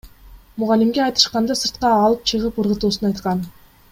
Мугалимге айтышканда, сыртка алып чыгып ыргытуусун айткан.